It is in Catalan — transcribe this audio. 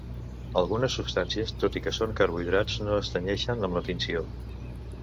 Algunes substàncies, tot i que són carbohidrats no es tenyeixen amb la tinció.